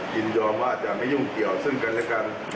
ยินยอมว่าจะไม่ยุ่งเกี่ยวซึ่งกันและกัน